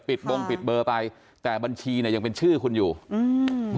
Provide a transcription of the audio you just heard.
บงปิดเบอร์ไปแต่บัญชีเนี้ยยังเป็นชื่อคุณอยู่อืม